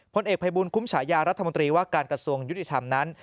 เอกภัยบุญคุ้มฉายารัฐมนตรีว่าการกระทรวงยุติธรรมนั้น